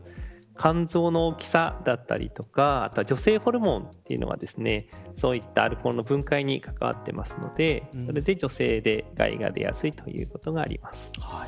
肝臓の大きさだったりとか女性ホルモンというのはそういったアルコールの分解に関わっているので女性の方が害が出やすいということがあります。